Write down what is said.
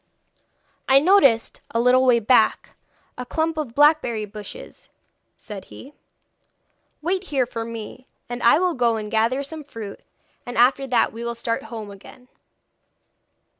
'I noticed, a little way back, a clump of blackberry bushes,' said he. 'Wait here for me, and I will go and gather some fruit, and after that we will start home again.'